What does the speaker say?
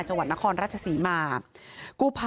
กู้ไพเจอร่างของน้องและพยายามจะปั๊มหัวใจเพื่อช่วยชีวิตค่ะ